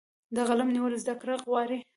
د قلم نیول زده کړه غواړي.